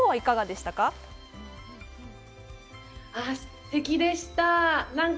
すてきでした。